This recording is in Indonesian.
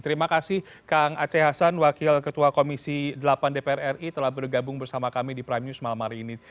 terima kasih kang aceh hasan wakil ketua komisi delapan dpr ri telah bergabung bersama kami di prime news malam hari ini